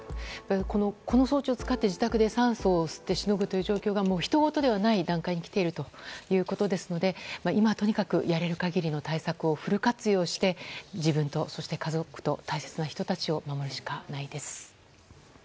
この装置を使って自宅で酸素を吸ってしのぐという状況がひとごとではない状況にきているということですので今はやれる限りの対策をフル活用して自分と家族そして大切な人たちを守るしかないです。